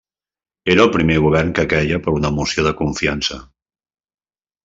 Era el primer govern que queia per una moció de confiança.